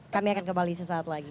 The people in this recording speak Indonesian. kami akan kembali sesaat lagi